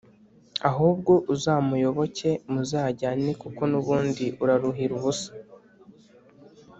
ahubwo uzamuyoboke muzajyane kuko nubundi uraruhira ubusa,